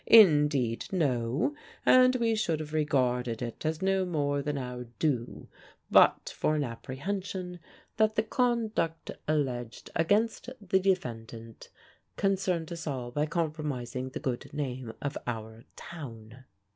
Indeed no; and we should have regarded it as no more than our due but for an apprehension that the conduct alleged against the defendant concerned us all by compromising the good name of our town.